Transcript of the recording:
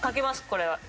これは。